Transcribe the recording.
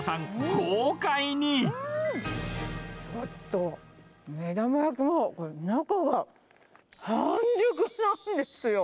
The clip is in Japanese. ちょっと、目玉焼きの中が中が半熟なんですよ。